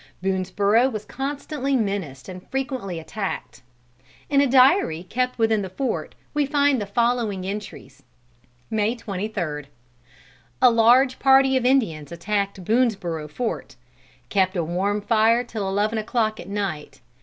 Boonesborough was constantly menaced and frequently attacked. In a diary kept within the fort we find the following entries: "May 23. A large party of Indians attacked Boonesborough fort. Kept a warm fire till eleven o'clock at night.